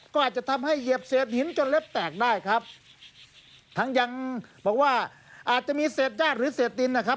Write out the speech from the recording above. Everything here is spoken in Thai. ก็อาจจะทำให้เหยียบเศษหินจนเล็บแตกได้ครับทั้งยังบอกว่าอาจจะมีเศษญาติหรือเศษดินนะครับ